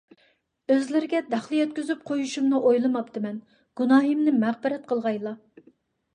ئۆزلىرىگە دەخلى يەتكۈزۈپ قويۇشۇمنى ئويلىماپتىمەن. گۇناھىمنى مەغپىرەت قىلغايلا.